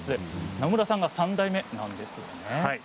野村さんが３代目なんですね。